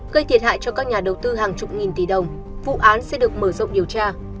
gây thiệt hại cho các nhà đầu tư hàng chục nghìn tỷ đồng vụ án sẽ được mở rộng điều tra